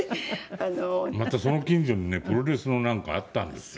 またその近所にねプロレスのなんかあったんですよ。